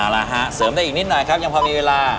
เอาละฮะเสริมได้อีกนิดหน่อยครับยังพอมีเวลา